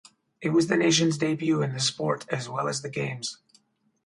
It was the nation's debut in the sport as well as the Games.